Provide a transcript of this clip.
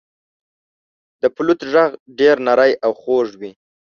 • د فلوت ږغ ډېر نری او خوږ وي.